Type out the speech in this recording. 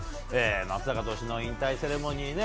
松坂投手の引退セレモニー